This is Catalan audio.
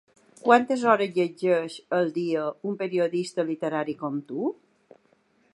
Quantes hores llegeix al dia un periodista literari com tu?